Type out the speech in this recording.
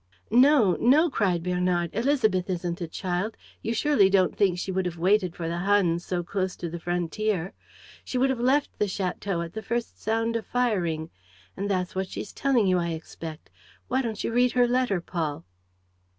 "No, no," cried Bernard, "Élisabeth isn't a child! You surely don't think she would have waited for the Huns, so close to the frontier! She would have left the château at the first sound of firing. And that's what she's telling you, I expect. Why don't you read her letter, Paul?"